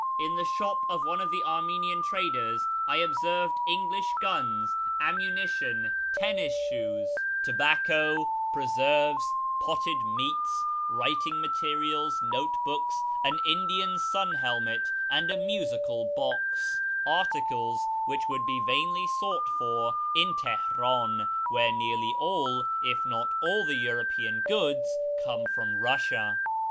In the shop of one of the Armenian traders I observed English guns, ammunition, tennis shoes, 288 A YEAR AMONGST THE PERSIANS tobacco, preserves, potted meats, writincj materials, note books, an Indian sun hehnet, and a musical box ; articles which would be vainly sought for in Teheriin, where nearly all, if not all, the European goods come from Iiussia.